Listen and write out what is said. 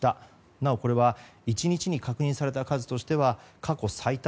なお、これは１日に確認された数としては過去最多。